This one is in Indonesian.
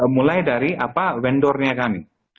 mulai dari vendor nya kami